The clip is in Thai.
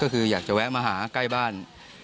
ก็คืออยากจะแวะมาหาใกล้บ้าน